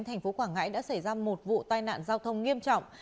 thành phố quảng ngãi đã xảy ra một vụ tai nạn giao thông nghiêm trọng